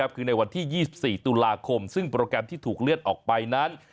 คือในวันที่๒๔ตุลาคมซึ่งโปรแกรมที่ถูกเลื่อนออกไปนั้น